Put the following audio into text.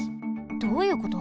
どういうこと？